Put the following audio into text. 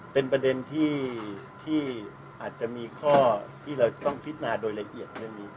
เป็นประเด็นที่อาจจะมีข้อที่เราต้องพินาโดยละเอียดเรื่องนี้